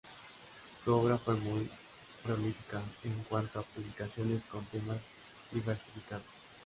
Su obra fue muy prolífica en cuanto a publicaciones con temas diversificados.